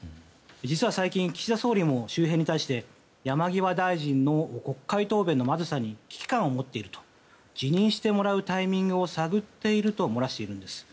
実は最近岸田総理も周辺に対して山際大臣の国会答弁のまずさに危機感を持っていると辞任してもらうタイミングを探っていると漏らしているんです。